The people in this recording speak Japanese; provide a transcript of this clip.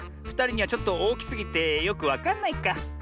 ふたりにはちょっとおおきすぎてよくわかんないか。